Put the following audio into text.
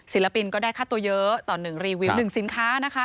ศิลปินก็ได้ค่าตัวเยอะต่อ๑รีวิว๑สินค้านะคะ